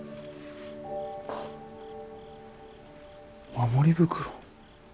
守り袋。